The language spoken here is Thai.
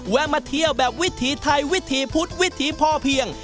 มาเที่ยวแบบวิถีไทยวิถีพุทธวิถีพอเพียง